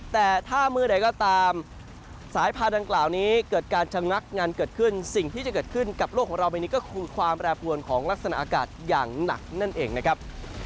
แต่ถ้ามือใดก็ตามสายพาดังกล่าวนี้เกิดการชะงักงานเกิดขึ้นสิ่งที่จะเกิดขึ้นกับโลกของเราใบนี้ก็คือความแปรปรวนของลักษณะอากาศอย่างหนักนั่นเองนะครับ